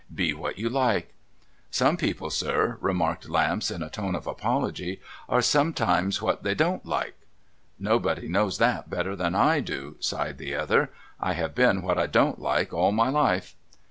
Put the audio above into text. Be what you like.' 'Some people, sir,' remarked Lamps in a tone of apology, 'are sometimes what they don't like,' ' Nobody knows that better than I do,' sighed the other, ' I have been what I don't like, all my life.'